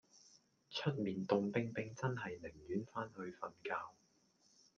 出面涷冰冰真係寧願返去瞓覺